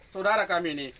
saudara kami ini